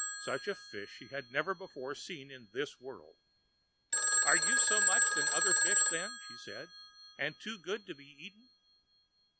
Such a fish she had never before seen in this world. "Are you so much better than other fish, then?" she said, "and too good to be eaten?"